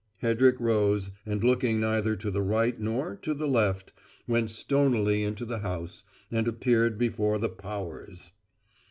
Hedrick rose, and, looking neither to the right nor, to the left, went stonily into the house, and appeared before the powers.